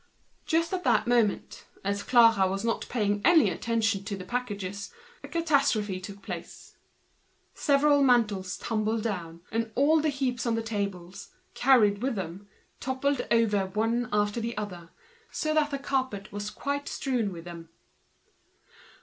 Just at that moment, as Clara was not paying any attention to the parcels, a catastrophe took place. Some mantles tumbled down, and all the heaps on the tables, dragged down with them, fell one after the other, so that the carpet was strewn with them.